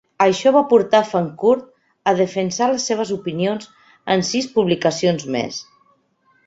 Això va portar a Fancourt a defensar les seves opinions en sis publicacions més.